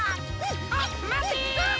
あっまて！